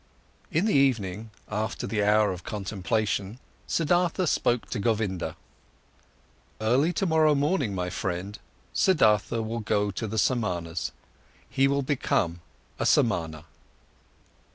In the evening, after the hour of contemplation, Siddhartha spoke to Govinda: "Early tomorrow morning, my friend, Siddhartha will go to the Samanas. He will become a Samana."